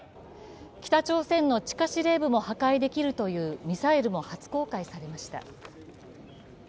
北朝鮮の地下司令部も破壊できるというミサイルも初公開されました。